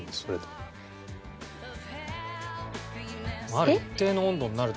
ある一定の温度になるとね。